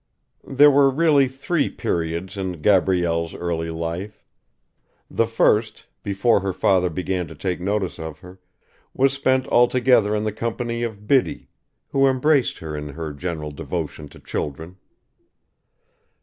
There were really three periods in Gabrielle's early life. The first, before her father began to take notice of her, was spent altogether in the company of Biddy, who embraced her in her general devotion to children.